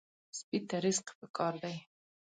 سپي ته رزق پکار دی.